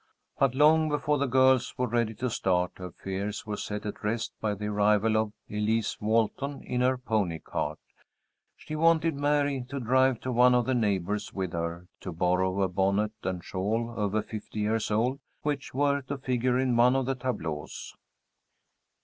But long before the girls were ready to start, her fears were set at rest by the arrival of Elise Walton in her pony cart. She wanted Mary to drive to one of the neighbors with her, to borrow a bonnet and shawl over fifty years old, which were to figure in one of the tableaux.